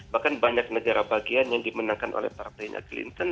bahkan banyak negara bagian yang dimenangkan oleh partina clinton